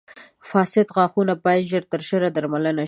• فاسد غاښونه باید ژر تر ژره درملنه شي.